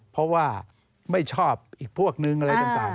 เพราะว่าไม่ชอบอีกพวกนึงอะไรต่าง